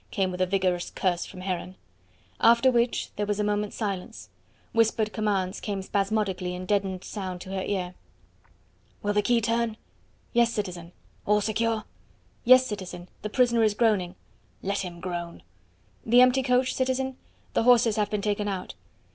came with a vigorous curse from Heron. After which there was a moment's silence; whispered commands came spasmodically in deadened sound to her ear. "Will the key turn?" "Yes, citizen." "All secure?" "Yes, citizen. The prisoner is groaning." "Let him groan." "The empty coach, citizen? The horses have been taken out."